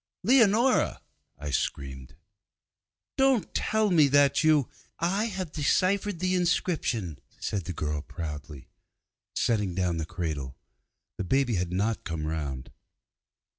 'Leonora,' I screamed, 'don't tell me that you ' 'I have deciphered the inscription,' said the girl proudly, setting down the cradle. The baby had not come round.